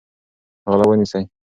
غله ونیسئ.